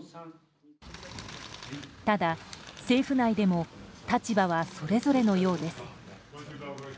ただ、政府内でも立場はそれぞれのようです。